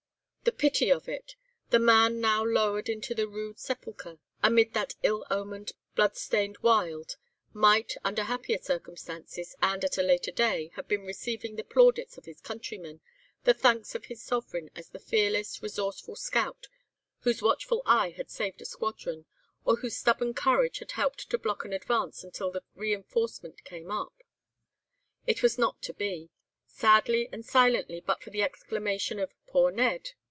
"The pity of it! The man now lowered into the rude sepulchre, amid that ill omened, blood stained wild, might, under happier circumstances, and at a later day, have been receiving the plaudits of his countrymen, the thanks of his Sovereign, as the fearless, resourceful scout, whose watchful eye had saved a squadron, or whose stubborn courage had helped to block an advance until the reinforcement came up. "It was not to be. Sadly and silently, but for the exclamation of 'Poor Ned!